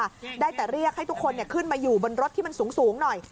ได้แต่เรียกให้ทุกคนขึ้นมาอยู่บนรถที่มันสูงหน่อย